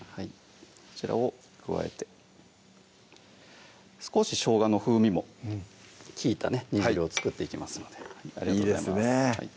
こちらを加えて少ししょうがの風味も利いたね煮汁を作っていきますのでいいですね